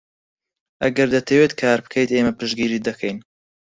ئەگەر دەتەوێت کار بکەیت، ئێمە پشتگیریت دەکەین.